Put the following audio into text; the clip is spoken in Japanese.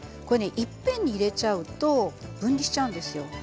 これねいっぺんに入れちゃうと分離しちゃうんですよ。